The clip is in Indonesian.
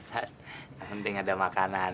sudah tidak apa apa nasan